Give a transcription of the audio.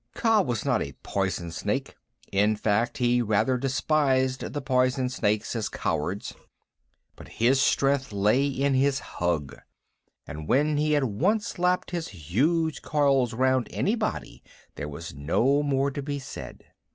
Kaa was not a poison snake in fact he rather despised the poison snakes as cowards but his strength lay in his hug, and when he had once lapped his huge coils round anybody there was no more to be said.